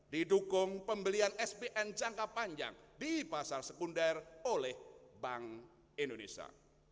didukung pembelian spn jangka panjang di pasar sekunder oleh bank indonesia